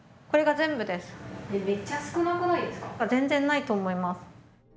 全然ないと思います。